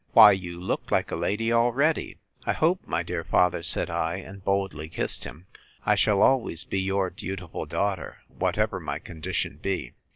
Why you look like a lady already! I hope, my dear father, said I, and boldly kissed him, I shall always be your dutiful daughter, whatever my condition be.